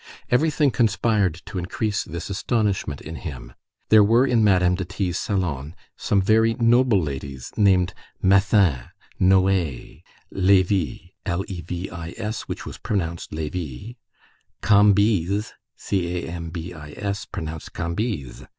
Everything conspired to increase this astonishment in him. There were in Madame de T.'s salon some very noble ladies named Mathan, Noé, Lévis,—which was pronounced Lévi,—Cambis, pronounced Cambyse.